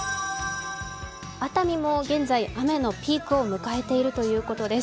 熱海も現在、雨のピークを迎えているということです。